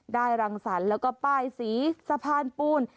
รังสรรค์แล้วก็ป้ายสีสะพานปูน